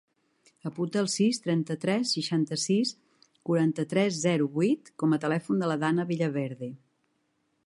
Apunta el sis, trenta-tres, seixanta-sis, quaranta-tres, zero, vuit com a telèfon de la Danna Villaverde.